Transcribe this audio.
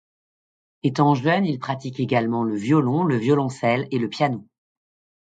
Étant jeune, il pratique également le violon, le violoncelle et le piano.